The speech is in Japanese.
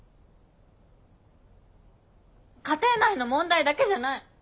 家庭内の問題だけじゃない。